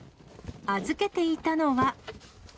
預けていたのは。